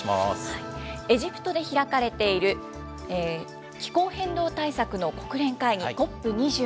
エジプトで開かれている気候変動対策の国連会議、ＣＯＰ２７。